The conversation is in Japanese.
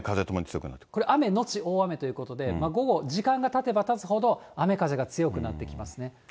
雨のち大雨ということで、午後、時間がたてばたつほど雨風が強くなってきますね。